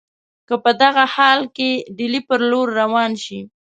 که په دغه حال کې ډهلي پر لور روان شي.